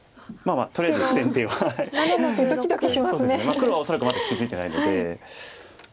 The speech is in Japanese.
黒は恐らくまだ気付いてないので。